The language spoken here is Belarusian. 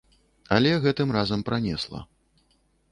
Але гэтым разам пранесла.